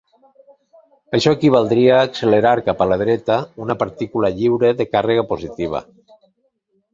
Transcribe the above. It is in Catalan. Això equivaldria a accelerar cap a la dreta una partícula lliure de càrrega positiva.